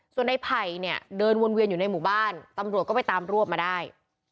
ส่วนในไผ่เนี่ยเดินวนเวียนอยู่ในหมู่บ้านตำรวจก็ไปตามรวบมาได้